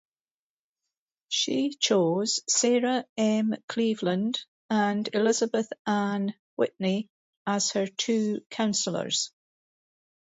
She chose Sarah M. Cleveland and Elizabeth Ann Whitney as her two counselors.